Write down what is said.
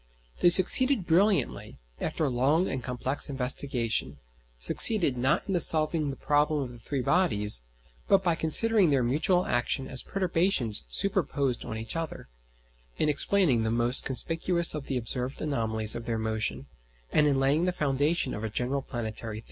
They succeeded brilliantly, after a long and complex investigation: succeeded, not in solving the problem of the three bodies, but, by considering their mutual action as perturbations superposed on each other, in explaining the most conspicuous of the observed anomalies of their motion, and in laying the foundation of a general planetary theory.